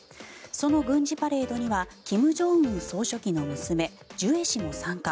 その軍事パレードには金正恩総書記の娘ジュエ氏も参加。